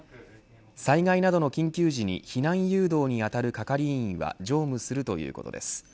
災害などの緊急時に避難誘導に当たる係員は乗務するということです。